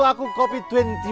hai kamu sekarang lagi ngapain